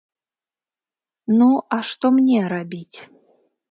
Ну, а што мне рабіць?